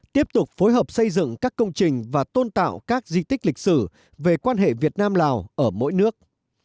giúp đỡ các công trình và tôn tạo các di tích lịch sử về quan hệ việt nam lào ở mỗi nước